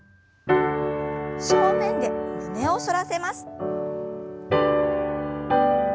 正面で胸を反らせます。